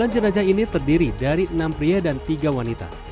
sembilan jenazah ini terdiri dari enam pria dan tiga wanita